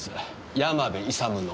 山部勇の。